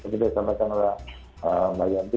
sampai sampai sama mbak yanti